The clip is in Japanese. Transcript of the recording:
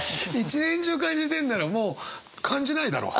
１年中感じてんならもう感じないだろ。